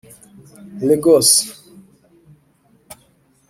Lagos’